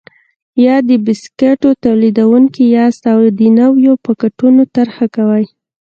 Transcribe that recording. یا د بسکېټو تولیدوونکي یاست او د نویو پاکټونو طرحه کوئ.